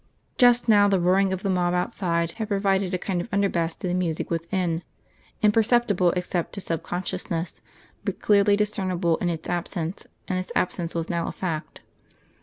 Just now the roaring of the mob outside had provided a kind of underbass to the music within, imperceptible except to sub consciousness, but clearly discernible in its absence; and this absence was now a fact.